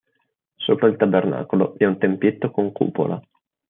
Sopra il tabernacolo vi è un tempietto con cupola.